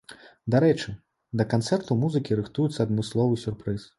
Дарэчы, да канцэрту музыкі рыхтуюць адмысловы сюрпрыз.